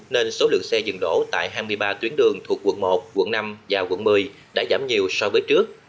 nên số lượng xe dừng đổ tại hai mươi ba tuyến đường thuộc quận một quận năm và quận một mươi đã giảm nhiều so với trước